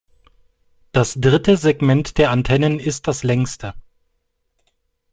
Das dritte Segment der Antennen ist das längste.